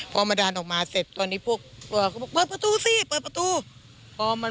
เพราะไม่ต้องมาเสร็จตอนนี้พวกเบิ้ลถูกเสียบระตูมันเปิดไม่ได้เข้าบอกว่ามันล็อกจะข้างใน